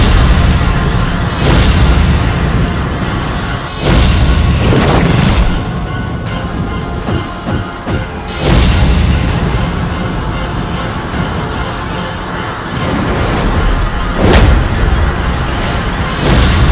lindungilah dia ya allah